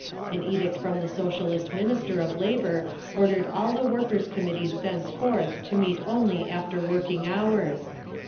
An edict from the Socialist Minister of Labour ordered all the Workers' Committees henceforth to meet only after working hours.